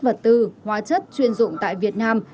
vật tư hóa chất chuyên dụng tại việt nam